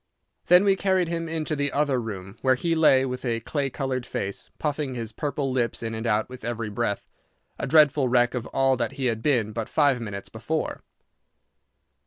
Then we carried him into the other room, where he lay with a clay coloured face, puffing his purple lips in and out with every breath—a dreadful wreck of all that he had been but five minutes before.